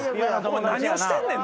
お前何をしてんねん。